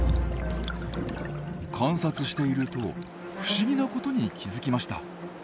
観察していると不思議なことに気付きました。